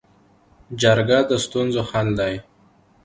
جرګه د ستونزو حل دی